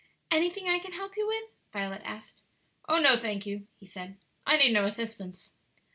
"Anything I can help you with?" Violet asked. "Oh, no, thank you," he said, "I need no assistance."